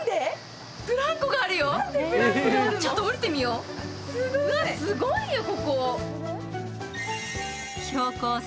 うわ、すごいよ、ここ。